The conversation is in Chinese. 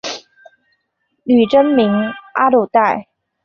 女真名阿鲁带。